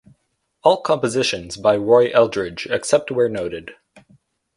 All compositions by Roy Eldridge except where noted